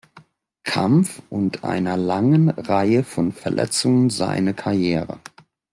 Kampf und einer langen Reihe von Verletzungen seine Karriere.